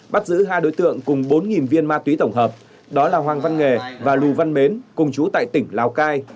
bắt giữ hai đối tượng cùng bốn viên ma túy tổng hợp đó là hoàng văn nghề và lù văn mến cùng chú tại tỉnh lào cai